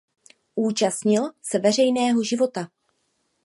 Účastnil se veřejného života.